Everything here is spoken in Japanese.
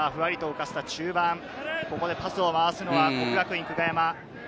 パスを回すのは國學院久我山。